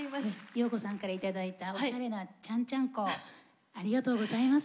洋子さんから頂いたおしゃれなちゃんちゃんこありがとうございます。